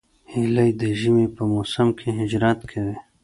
هیلۍ د ژمي په موسم کې هجرت کوي